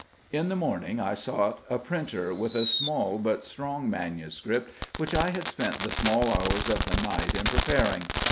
In the morning I sought a printer, with a small but strong manuscript which I had spent the small hours of the night in preparing.